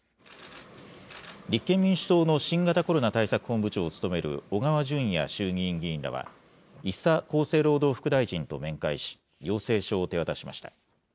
立憲民主党の新型コロナ対策本部長を務める小川淳也衆議院議員らは、伊佐厚生労働副大臣と面会し、要請書を手渡しました。